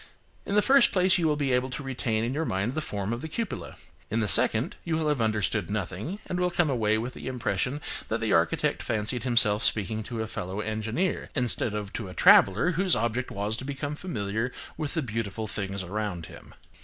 In the first place, you will be able to retain in your mind the form of the cupola; in the second, you will have understood nothing, and will come away with the impression that the architect fancied himself speaking to a fellow engineer, instead of to a traveller whose object was to become familiar with the beautiful things about him.